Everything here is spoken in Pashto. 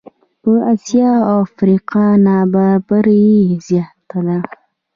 په آسیا او افریقا نابرابري زیاته ده.